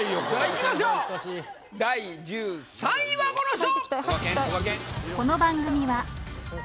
いきましょう第１３位はこの人！